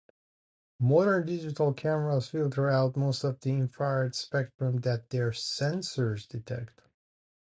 Modern digital cameras filter out most of the infrared spectrum that their sensors detect.